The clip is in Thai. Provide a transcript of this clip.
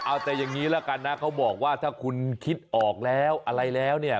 เอาแต่อย่างนี้ละกันนะเขาบอกว่าถ้าคุณคิดออกแล้วอะไรแล้วเนี่ย